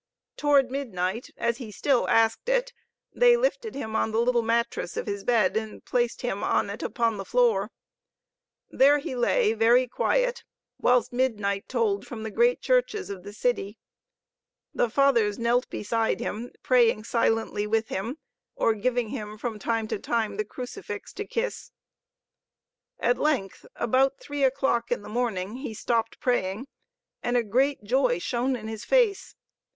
Toward midnight, as he still asked it, they lifted him on the little mattress of his bed and placed him on it upon the floor. There he lay, very quiet, whilst midnight tolled from the great churches of the city. The Fathers knelt beside him, praying silently with him, or giving him from time to time the crucifix to kiss. At length, about three o'clock in the morning, he stopped praying, and a great joy shone in his face.